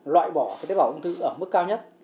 loại bỏ tế bào ung thư ở mức cao nhất